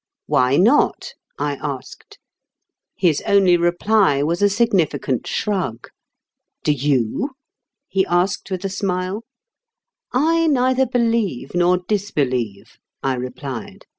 "Why not?" I asked. His only reply was a significant shrug. " Do you ?" he asked with a smile. " I neither believe nor disbelieve," I replied.